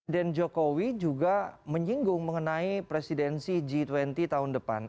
dan jokowi juga menyinggung mengenai presidensi g dua puluh tahun depan